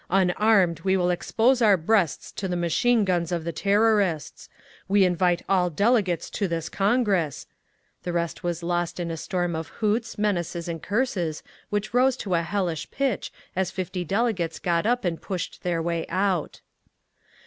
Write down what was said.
Unarmed we will expose our breasts to the machine guns of the Terrorists…. We invite all delegates to this Congress—" The rest was lost in a storm of hoots, menaces and curses which rose to a hellish pitch as fifty delegates got up and pushed their way out….